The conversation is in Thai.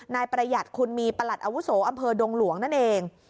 นายประหยัดคุณมีประหลัดอาวุโสอำเภอดงหลวงนั่นเอง